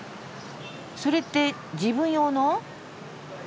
それって自分用の？